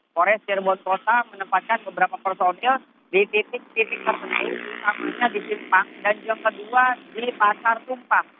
korek cirebon kota menempatkan beberapa personil di titik titik terpenai di jimpang dan juga di pasar tumpah